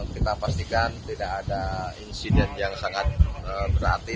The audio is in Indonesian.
kita pastikan tidak ada insiden yang sangat berarti